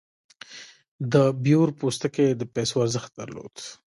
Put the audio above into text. د بیور پوستکی د پیسو ارزښت درلود.